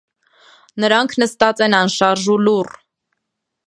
Նրանք նստած են անշարժ ու լուռ.